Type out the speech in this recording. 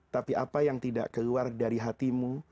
tapi apa yang tidak keluar dari hatimu